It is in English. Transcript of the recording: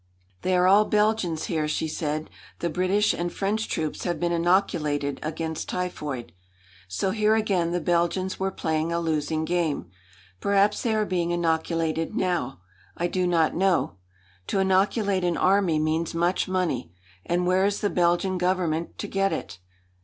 "They are all Belgians here," she said. "The British and French troops have been inoculated against typhoid." So here again the Belgians were playing a losing game. Perhaps they are being inoculated now. I do not know. To inoculate an army means much money, and where is the Belgian Government to get it?